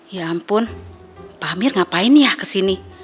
ya ampun pahmir ngapain ya kesini